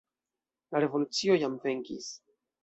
La revolucio jam venkis.